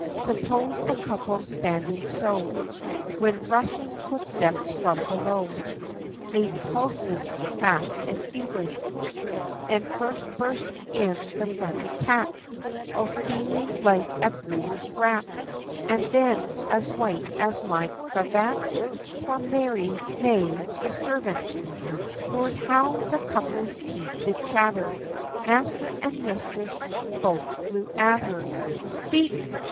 Suppose the couple standing so, When rushing footsteps from below Made pulses fast and fervent; And first burst in the frantic cat, All steaming like a brewer's rat, And then as white as my cravat Poor Mary May, the servant! Lord, how the couple's teeth did chatter, Master and Mistress both flew at her, "Speak!